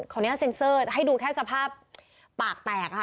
เซ็นเซอร์ให้ดูแค่สภาพปากแตกค่ะ